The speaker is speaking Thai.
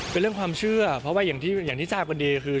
เป็นเรื่องความเชื่อเพราะว่าอย่างที่ทราบกันดีคือ